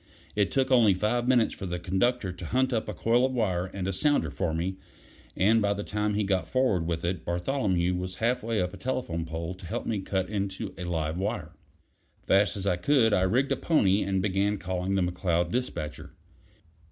It took only five minutes for the conductor to hunt up a coil of wire and a sounder for me, and by the time he got forward with it, Bartholomew was half way up a telegraph pole to help me cut in on a live wire. Fast as I could, I rigged a pony, and began calling the McCloud despatcher.